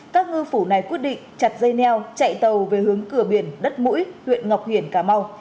các ngư phủ này quyết định chặt dây neo chạy tàu về hướng cửa biển đất mũi huyện ngọc hiển cà mau